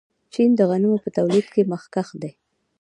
چین د غنمو په تولید کې مخکښ دی.